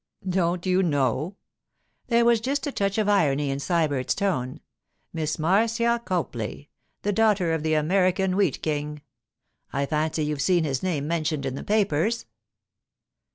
'Don't you know?' There was just a touch of irony in Sybert's tone. 'Miss Marcia Copley, the daughter of the American Wheat King—I fancy you've seen his name mentioned in the papers.